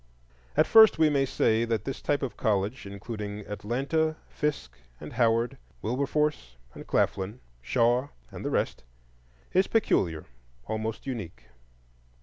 And first we may say that this type of college, including Atlanta, Fisk, and Howard, Wilberforce and Claflin, Shaw, and the rest, is peculiar, almost unique.